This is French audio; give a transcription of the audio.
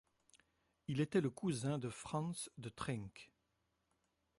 Il était le cousin de Franz de Trenck.